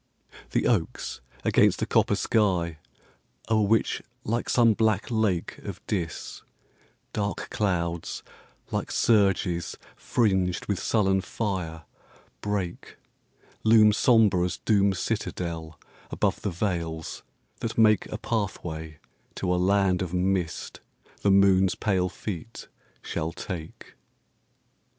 The oaks against a copper sky o'er which, like some black lake Of DIS, dark clouds, like surges fringed with sullen fire, break Loom sombre as Doom's citadel above the vales, that make A pathway to a land of mist the moon's pale feet shall take.